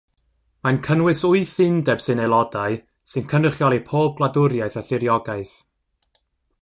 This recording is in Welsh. Mae'n cynnwys wyth undeb sy'n aelodau, sy'n cynrychioli pob gwladwriaeth a thiriogaeth.